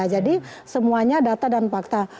jadi semuanya data dan fakta